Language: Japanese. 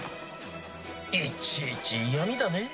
いちいち嫌みだねぇ。